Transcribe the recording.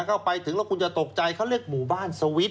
เข้าไปถึงแล้วคุณจะตกใจเขาเรียกหมู่บ้านสวิตช